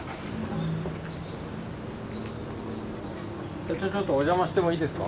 社長ちょっとお邪魔してもいいですか？